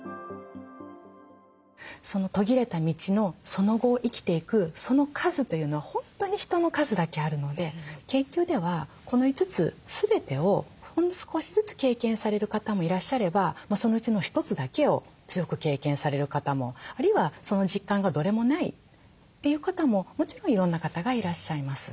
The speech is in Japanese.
途切れた道のその後を生きていくその数というのは本当に人の数だけあるので研究ではこの５つ全てをほんの少しずつ経験される方もいらっしゃればそのうちの１つだけを強く経験される方もあるいはその実感がどれもないという方ももちろんいろんな方がいらっしゃいます。